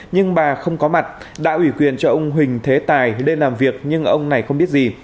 nhưng bà không có mặt đã ủy quyền cho ông huỳnh thế tài lên làm việc nhưng ông này không biết gì